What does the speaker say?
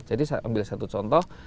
jadi saya ambil satu contoh